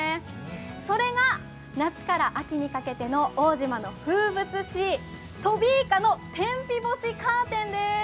それが夏から秋にかけての奥武島の風物詩、トビイカの天日干しカーテンです。